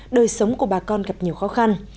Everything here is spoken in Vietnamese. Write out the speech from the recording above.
đời sống của bà con gặp nhiều khó khăn